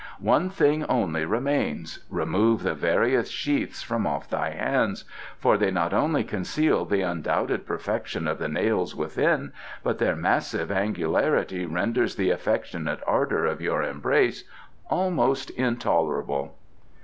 One thing only remains: remove the various sheaths from off thy hands, for they not only conceal the undoubted perfection of the nails within, but their massive angularity renders the affectionate ardour of your embrace almost intolerable."